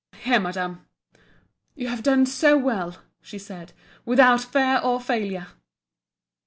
"Here, Madama!" "You have done so well!" she said "Without fear or failure!"